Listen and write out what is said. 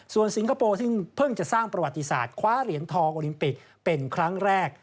ส่วนสิงคโปร์ซึ่งเพิ่งจะสร้างประวัติศาสตร์คว้าเหรียญทองโอลิมปิกเป็นครั้งแรก